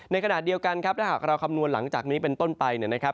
ในขณะเดียวกันครับถ้าหากเราคำนวณหลังจากนี้เป็นต้นไปเนี่ยนะครับ